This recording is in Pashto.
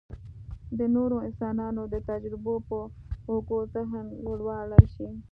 د نورو انسانانو د تجربو په اوږو ذهن لوړولی شي.